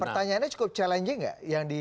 pertanyaannya cukup challenging gak